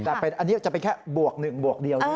แต่อันนี้จะเป็นแค่บวก๑บวกเดียว